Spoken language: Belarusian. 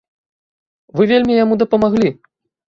Вы вельмі яму дапамаглі.